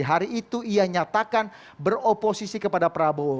hari itu ia nyatakan beroposisi kepada prabowo